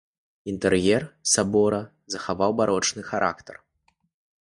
Інтэр'ер сабора захаваў барочны характар.